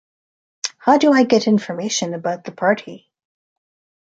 How do I get information about the party?